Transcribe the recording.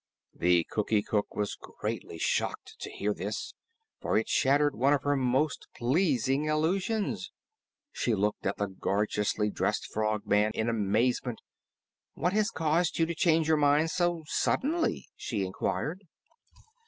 The Cookie Cook was greatly shocked to hear this, for it shattered one of her most pleasing illusions. She looked at the gorgeously dressed Frogman in amazement. "What has caused you to change your mind so suddenly?" she inquired.